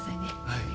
はい。